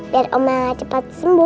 biar oma cepet sembuh